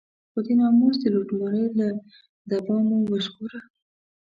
خو د ناموس د لوټمارۍ له دبا مو وژغوره.